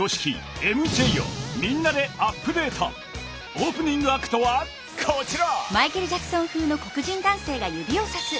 オープニングアクトはこちら！